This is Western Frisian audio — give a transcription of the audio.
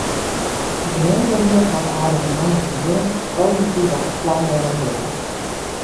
De gemeenteried hat ôfrûne moandeitejûn posityf op it plan reagearre.